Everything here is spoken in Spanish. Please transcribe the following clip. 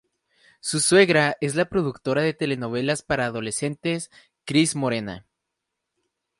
Su suegra es la productora de telenovelas para adolescentes Cris Morena.